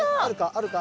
あるか？